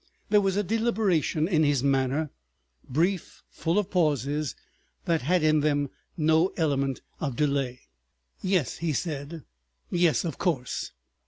There was a deliberation in his manner, brief full pauses, that had in them no element of delay. "Yes," he said, "yes—of course.